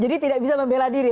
jadi tidak bisa membela diri